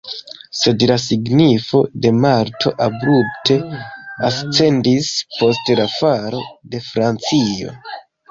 Sed la signifo de Malto abrupte ascendis post la falo de Francio.